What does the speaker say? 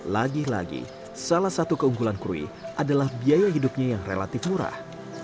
lagi lagi salah satu keunggulan krui adalah biaya hidupnya yang relatif murah